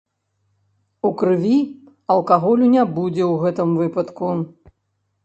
У крыві алкаголю не будзе ў гэтым выпадку.